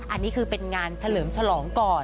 อันนี้คือเป็นงานเฉลิมฉลองก่อน